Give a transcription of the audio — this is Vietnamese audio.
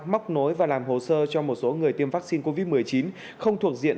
móc nối và làm hồ sơ cho một số người tiêm vaccine covid một mươi chín không thuộc diện